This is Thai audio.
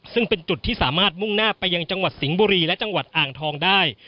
ซึ่งเป็นจุดที่สามารถมุ่งหน้าไปยังจังหวัดสิงห์บุรีและจังหวัดอ่างทองได้